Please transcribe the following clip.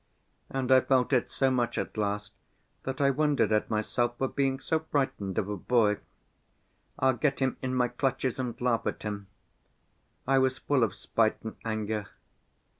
And I felt it so much at last that I wondered at myself for being so frightened of a boy. I'll get him in my clutches and laugh at him. I was full of spite and anger.